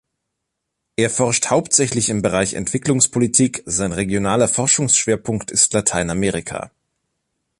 Er forscht hauptsächlich im Bereich Entwicklungspolitik; sein regionaler Forschungsschwerpunkt ist Lateinamerika.